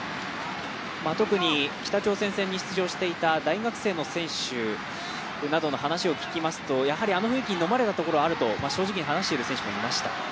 特に北朝鮮戦に出場していた大学生の話を聞くとやはりあの雰囲気に飲まれたところはあると正直に話している選手もいました。